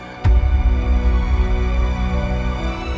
untung jalan yang harus diambil